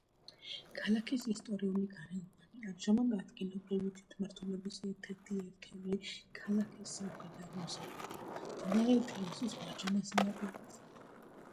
ქალაქის ისტორიული გარეუბანი, ამჟამად ადგილობრივი თვითმმართველობის ერთ-ერთი ერთეული ქალაქის სამხრეთ-აღმოსავლეთით, მდინარე ტემზის მარჯვენა სანაპიროზე.